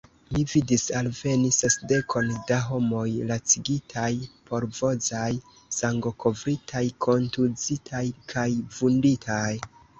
Mi vidis alveni sesdekon da homoj lacigitaj, polvozaj, sangokovritaj, kontuzitaj kaj vunditaj.